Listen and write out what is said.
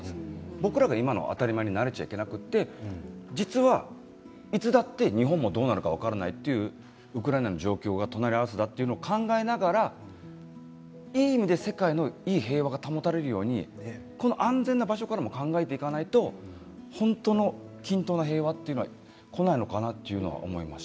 僕らが今の当たり前に慣れちゃいけなくて実はいつだって日本もどうなるか分からないというウクライナの状況が隣り合わせだと考えながらいい意味で世界のいい平和が保たれるようにこの安全な場所からも考えていかないと本当の均等な平和というのはこないのかな